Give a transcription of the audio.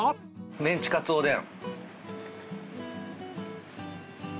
メンチカツおでん。